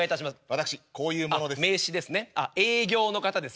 私こういう者です。